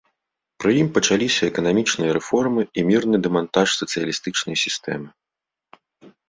Пры ім пачаліся эканамічныя рэформы і мірны дэмантаж сацыялістычнай сістэмы.